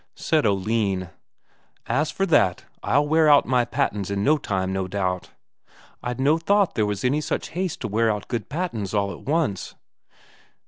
Said Oline: "As for that, I'll wear out my pattens in time, no doubt. I'd no thought there was any such haste to wear out good pattens all at once."